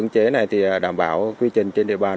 chế này thì đảm bảo quy trình trên địa bàn